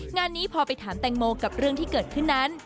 งานนี้พอไปถามแตงโมกับเรื่องที่เกิดขึ้นนั้น